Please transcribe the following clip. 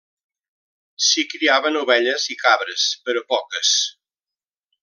S'hi criaven ovelles i cabres, però poques.